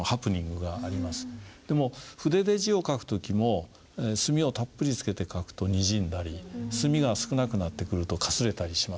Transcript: でも筆で字を書く時も墨をたっぷりつけて書くとにじんだり墨が少なくなってくるとかすれたりしますね。